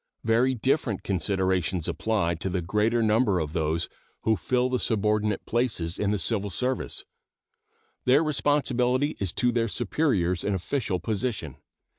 Very different considerations apply to the greater number of those who fill the subordinate places in the civil service. Their responsibility is to their superiors in official position.